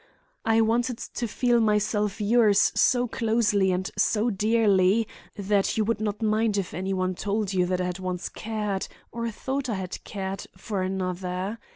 I wanted to feel myself yours so closely and so dearly that you would not mind if any one told you that I had once cared, or thought I had cared, for another.